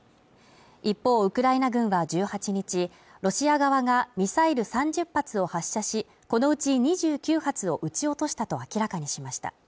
一方ウクライナ軍は１８日、ロシア側がミサイル３０発を発射し、このうち２９発を撃ち落としたと明らかにしました。